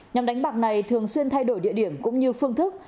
nhóm đánh bạc này thường xuyên thay đổi địa điểm cũng như phương thức